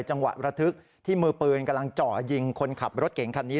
ระทึกที่มือปืนกำลังเจาะยิงคนขับรถเก่งคันนี้